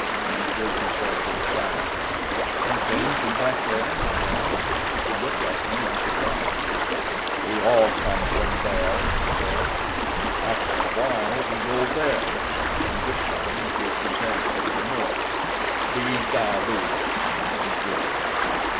And he jerked his head to the south. "You came from back there?" I asked. He looked at me in surprise. "We all come from there," he said. "After a while we go there." And this time he jerked his head toward the north. "Be Galus," he concluded.